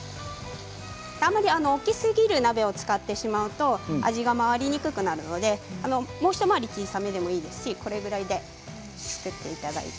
あまり大きすぎる鍋を使ってしまうと味が回りにくくなるのでもう一回り小さめでもいいですしこれくらいで作っていただいて。